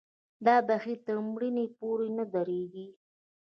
دا بهیر تر مړینې پورې نه درېږي.